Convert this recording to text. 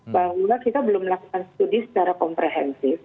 bahwa kita belum melakukan studi secara komprehensif